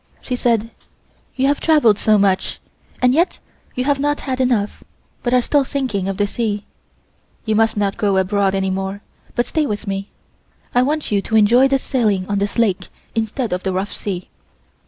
She said: "You have travelled so much, and yet you have not had enough, but are still thinking of the sea. You must not go abroad any more, but stay with me. I want you to enjoy this sailing on this lake instead of the rough sea."